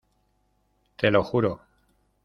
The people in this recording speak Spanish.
te lo juro.